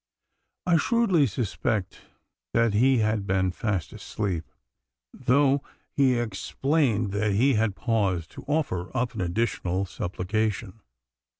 I shrewdly suspect that he had been fast asleep, though he explained that he had paused to offer up an additional supplication.